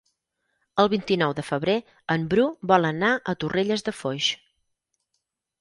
El vint-i-nou de febrer en Bru vol anar a Torrelles de Foix.